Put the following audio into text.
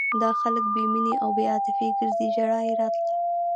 دا خلک بې مینې او بې عاطفې ګرځي ژړا یې راتله.